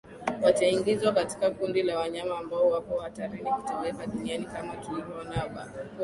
wataingizwa katika kundi la wanyama ambao wapo hatarini kutoweka duniani Kama tulivoona hapo jamii